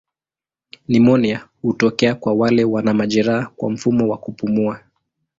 Nimonia hutokea kwa wale wana majeraha kwa mfumo wa kupumua.